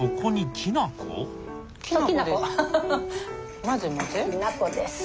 きな粉です。